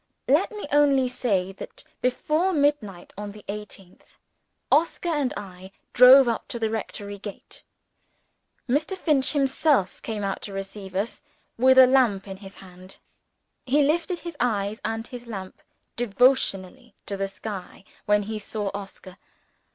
Let me only say that, before midnight on the eighteenth, Oscar and I drove up to the rectory gate. Mr. Finch himself came out to receive us, with a lamp in his hand. He lifted his eyes (and his lamp) devotionally to the sky when he saw Oscar.